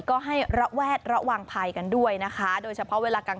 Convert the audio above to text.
ก็ให้ระแวดระวังภัยกันด้วยนะคะโดยเฉพาะเวลากลาง